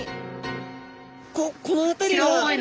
この辺りは。